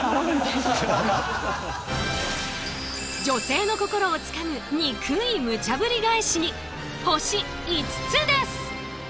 女性の心をつかむ憎いムチャぶり返しに星５つです！